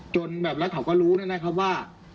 พี่สาวอายุ๗ขวบก็ดูแลน้องดีเหลือเกิน